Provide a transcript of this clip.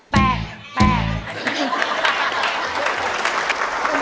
แปลกแปลก